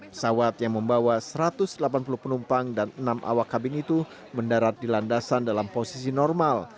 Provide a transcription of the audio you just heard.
pesawat yang membawa satu ratus delapan puluh penumpang dan enam awak kabin itu mendarat di landasan dalam posisi normal